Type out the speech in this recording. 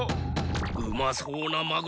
うまそうなマグロだ！